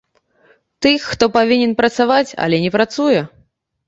Тых, хто павінен працаваць, але не працуе.